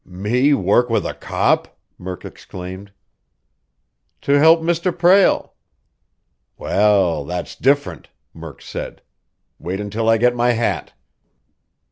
"Me work with a cop?" Murk exclaimed. "To help Mr. Prale." "Well, that's different," Murk said. "Wait until I get my hat."